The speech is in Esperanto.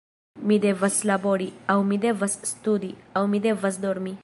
Mi devas labori, aŭ mi devas studi, aŭ mi devas dormi.